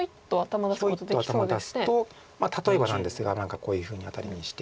ヒョイッと頭出すと例えばなんですが何かこういうふうにアタリにして。